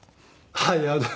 はい。